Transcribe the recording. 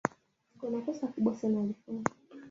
Mtenda ndiwe Moliwa, nipate niyatakayo.